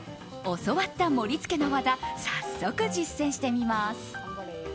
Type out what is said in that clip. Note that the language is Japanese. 教わった盛り付けの技早速、実践してみます。